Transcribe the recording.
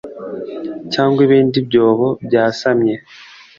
cyangwa ibindi byobo byasamye